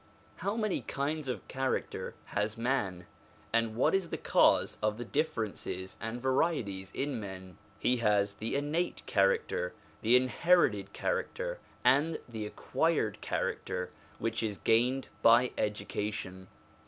How many kinds of character has man? and what is the cause of the differences and varieties in men ? Answer. He has the innate character, the inherited \/ character, and the acquired character which is gained by education.